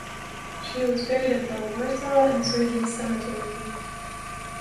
She was buried at the Warsaw Insurgents Cemetery.